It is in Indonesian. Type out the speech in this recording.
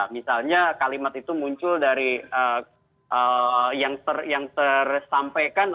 misalnya kalimat itu muncul dari yang tersampaikan